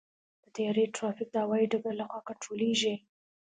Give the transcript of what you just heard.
د طیارې ټرافیک د هوايي ډګر لخوا کنټرولېږي.